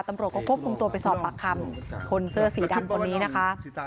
ตำรวจก็ควบคุมตัวไปสอบปากคำคนเสื้อสีดำคนนี้นะคะ